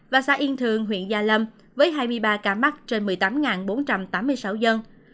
và xã yên thường huyện gia lâm với hai mươi ba ca mắc trên một mươi tám bốn trăm tám mươi sáu dân